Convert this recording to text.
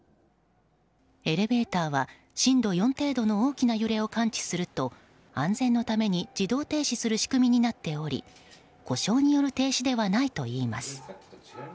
エレベーターは震度４程度の大きな揺れを感知すると安全のために自動停止する仕組みになっており故障による停止ではないといいます。